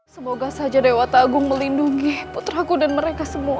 semoga saja dewa tagung melindungi putraku dan mereka semua